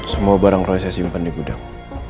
semua barang roy saya simpan di gudang